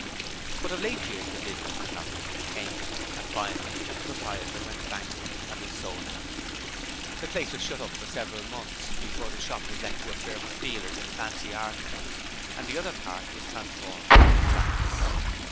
But of late years the business had not been paying, and finally the proprietor went bankrupt and was sold out. The place was shut up for several months before the shop was let to a firm of dealers in fancy articles, and the other part was transformed into flats.